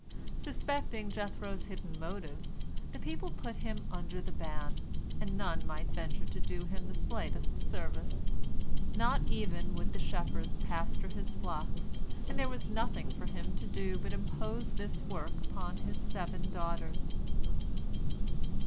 Suspecting Jethro's hidden motives, the people put him under the ban, and none might venture to do him the slightest service. Not even would the shepherds pasture his flocks, and there was nothing for him to do but impose this work upon his seven daughters.